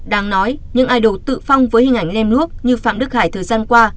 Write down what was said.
đáng nói những idol tự phong với hình ảnh lem lúp như phạm đức hải thời gian qua